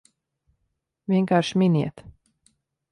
Vienkārši miniet!